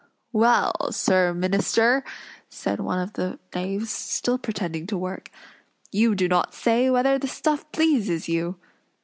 "Well, Sir Minister!" said one of the knaves, still pretending to work. "You do not say whether the stuff pleases you."